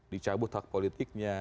dicabut hak politiknya